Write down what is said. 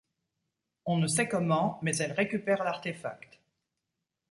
On ne sait comment, mais elle récupère l'artefact.